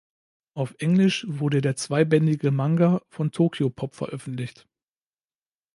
Auf Englisch wurde der zweibändige Manga von Tokyopop veröffentlicht.